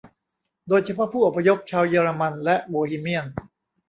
โดยเฉพาะผู้อพยพชาวเยอรมันและโบฮีเมียน